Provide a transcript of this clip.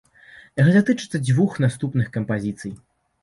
Гэта тычыцца дзвюх наступных кампазіцый.